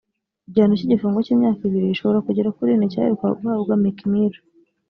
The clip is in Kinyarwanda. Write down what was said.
Igihano cy’igifungo cy’imyaka ibiri ishobora kugera kuri ine cyaherukaga guhabwa Meek Mill